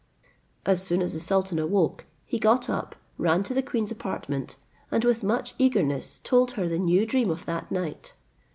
As soon as the sultan awoke, he got up, ran to the queen's apartment, and with much eagerness told her the new dream of that night.